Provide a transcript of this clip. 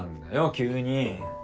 急に。